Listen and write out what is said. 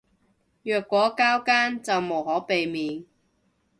若果交更就無可避免